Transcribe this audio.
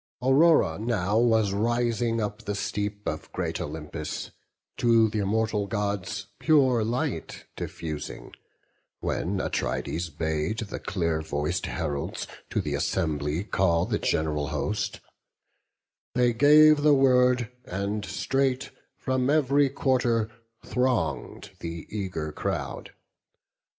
Aurora now was rising up the steep Of great Olympus, to th' immortal Gods Pure light diffusing; when Atrides bade The clear voic'd heralds to th' Assembly call The gen'ral host; they gave the word, and straight From ev'ry quarter throng'd the eager crowd.